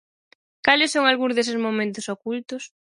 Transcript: Cales son algúns deses momentos ocultos?